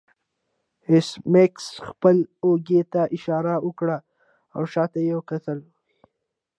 ایس میکس خپل اوږې ته اشاره وکړه او شاته یې وکتل